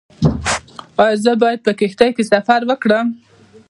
ایا زه باید په کښتۍ کې سفر وکړم؟